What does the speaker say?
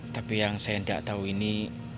tapi yang saya tidak tahu ini